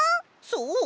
そう！